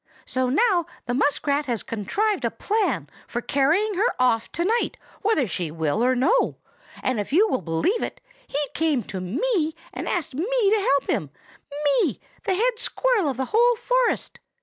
So now the muskrat has contrived a plan for carrying her off to night whether she will or no; and if you will believe it, he came to me and asked me to help him,—me, the head squirrel of the whole forest!"